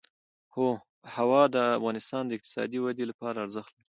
هوا د افغانستان د اقتصادي ودې لپاره ارزښت لري.